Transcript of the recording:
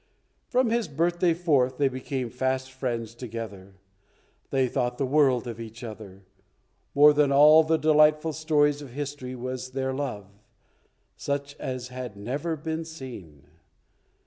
From this birthday forth they became fast friends together. They thought the world of each other. More than all the delightful stories of history was their love such as had never been seen.